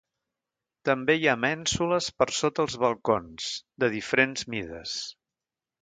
També hi ha mènsules per sota els balcons, de diferents mides.